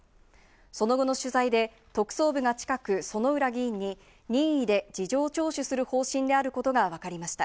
その後の取材で特捜部が近く、薗浦議員に任意で事情聴取する方針であることがわかりました。